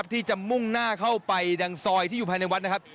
ที่จะมุ่งหน้าเข้าไปยังซอยที่อยู่ภายในวัดนะครับ